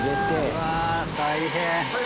うわ大変。